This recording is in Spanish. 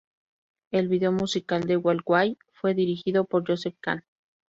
El video musical de "Walk away" fue dirigido por Joseph Kahn.